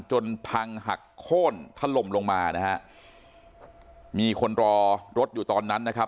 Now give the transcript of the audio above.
จนพังหักโค้นถล่มลงมานะฮะมีคนรอรถอยู่ตอนนั้นนะครับ